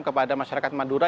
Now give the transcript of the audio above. kepada masyarakat madura